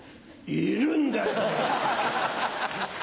いるんだよ！